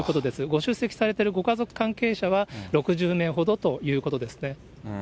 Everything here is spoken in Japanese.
ご出席されているご家族関係者は６０名ほどということですね。